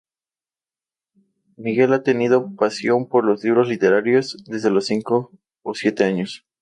Miguel ha tenido pasión por los libros literarios desde los cinco o siete años.